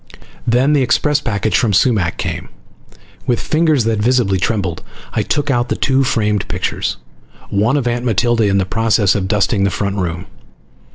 Then the express package from Sumac came. With fingers that visibly trembled I took out the two framed pictures, one of Aunt Matilda in the process of dusting the front room.